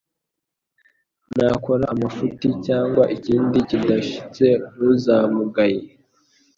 nakora amafuti cyangwa ikindi kidahwitse ntuzamugaye